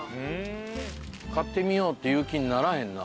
買ってみようっていう気にならへんな。